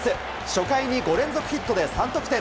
初回に５連続ヒットで３得点。